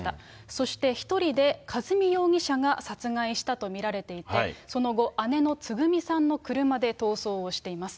そして１人で和美容疑者が殺害したと見られていて、その後、姉のつぐみさんの車で逃走をしています。